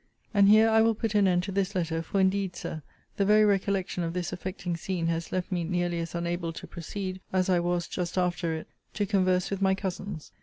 And here I will put an end to this letter, for indeed, Sir, the very recollection of this affecting scene has left me nearly as unable to proceed, as I was, just after it, to converse with my cousins.